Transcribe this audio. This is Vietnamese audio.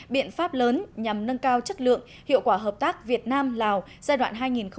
biện pháp lớn nhằm nâng cao chất lượng hiệu quả hợp tác việt nam lào giai đoạn hai nghìn một mươi sáu hai nghìn hai mươi